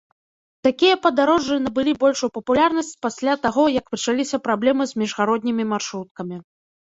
Такія падарожжы набылі большую папулярнасць пасля таго, як пачаліся праблемы з міжгароднімі маршруткамі.